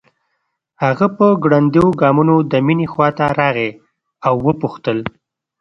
هغه په ګړنديو ګامونو د مينې خواته راغی او وپوښتل